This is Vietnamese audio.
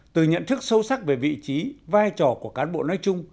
từ nhận thức sâu sắc về vị trí vai trò của cán bộ nói chung